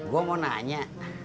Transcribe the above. gua mau nanya